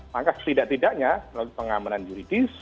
maka setidak tidaknya melalui pengamanan juridis